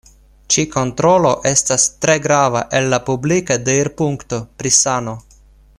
Ĉi-kontrolo estas tre grava el la publika deirpunkto pri sano.